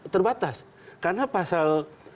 terbatas karena pasal